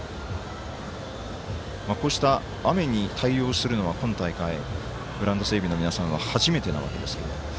こうした雨に対応するのは今大会グラウンド整備の皆さんは初めてなわけですけども。